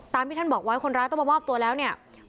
ที่ท่านบอกไว้คนร้ายต้องมามอบตัวแล้วเนี่ย